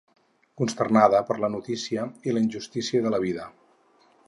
Consternada per la notícia i la injustícia de la vida.